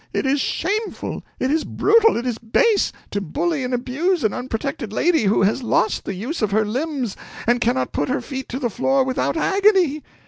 It is shameful, it is brutal, it is base, to bully and abuse an unprotected lady who has lost the use of her limbs and cannot put her feet to the floor without agony!"